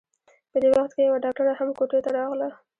په دې وخت کې يوه ډاکټره هم کوټې ته راغله.